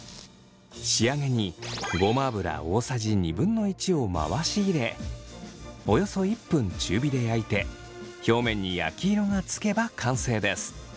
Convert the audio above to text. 仕上げにごま油大さじ２分の１を回し入れおよそ１分中火で焼いて表面に焼き色がつけば完成です。